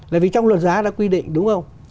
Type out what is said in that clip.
là vì trong luật giá đã quy định đúng không